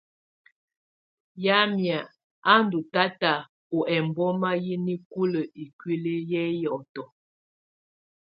Yamɛ̀á a ndù tata ɔ ɛmbɔma yɛ nikulǝ ikuili yɛ hiɔtɔ.